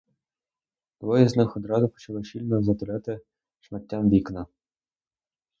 Двоє з них одразу почали щільно затуляти шматтям вікна.